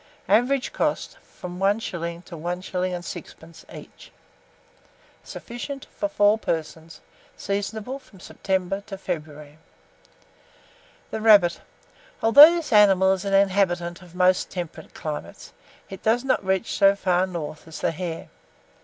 Average cost, from 1s. to 1s. 6d. each. Sufficient for 4 persons. Seasonable from September to February. THE RABBIT. Though this animal is an inhabitant of most temperate climates, it does not reach so far north as the hare.